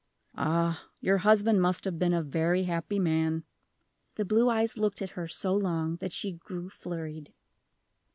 "Ah, your husband must have been a very happy man." The blue eyes looked at her so long, that she grew flurried.